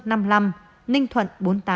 ninh thuận bốn mươi tám